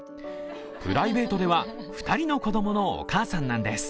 プライベートでは２人の子供のお母さんなんです。